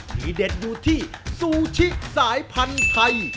เด็ดอยู่ที่ซูชิสายพันธุ์ไทย